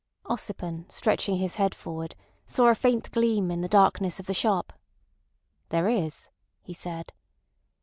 Ossipon, stretching his head forward, saw a faint gleam in the darkness of the shop. "There is," he said.